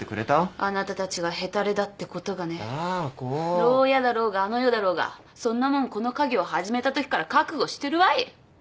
牢屋だろうがあの世だろうがそんなもんこの稼業始めたときから覚悟してるわい！